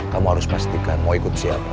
kamu harus pastikan mau ikut siapa